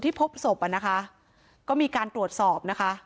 ที่พบศพก็มีการตรวจสอบ